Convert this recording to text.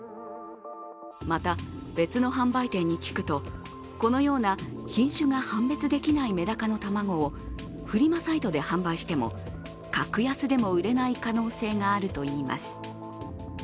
また、別の販売店に聞くとこのような品種が判別できないメダカの卵をフリマサイトで販売しても格安でも売れない可能性があるといいます。